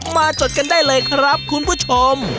จดกันได้เลยครับคุณผู้ชม